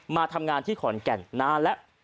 มาทำงานที่ขอนแก่นนานแล้ว